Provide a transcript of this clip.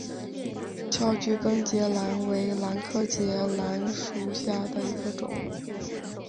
翘距根节兰为兰科节兰属下的一个种。